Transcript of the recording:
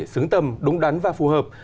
xứng tâm đúng đắn và phù hợp